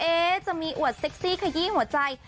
จะมีอวดเซ็กซี่ขยี้หัวใจ